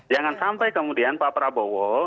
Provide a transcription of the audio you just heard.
jangan sampai kemudian pak prabowo